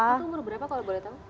itu umur berapa kalau boleh tahu